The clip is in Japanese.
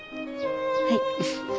はい。